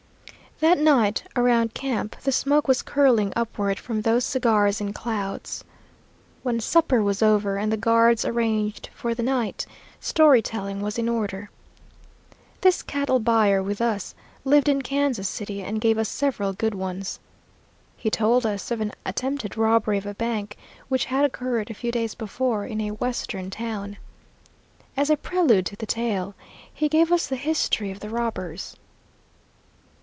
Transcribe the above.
That night around camp the smoke was curling upward from those cigars in clouds. When supper was over and the guards arranged for the night, story telling was in order. This cattle buyer with us lived in Kansas City and gave us several good ones. He told us of an attempted robbery of a bank which had occurred a few days before in a western town. As a prelude to the tale, he gave us the history of the robbers.